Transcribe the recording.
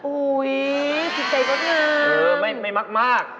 อุ๊ยจริงใจมากนะครับโอ้โฮไม่มาก